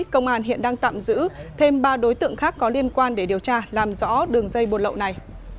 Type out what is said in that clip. công an hiện đang tạm giữ thêm ba đối tượng khác có liên quan để điều tra làm rõ đường dây bột lậu này